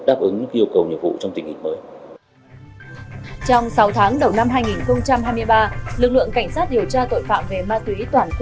đã phối hợp với tổ chức công tác đấu tranh với tội phạm ma túy